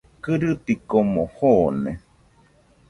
Kɨrɨtikomo joone